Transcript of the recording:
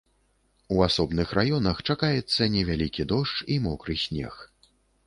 У асобных раёнах чакаецца невялікі дождж і мокры снег.